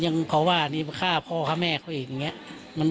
ยังตอบว่าต้องข้าพ่อค่ะแม่เขา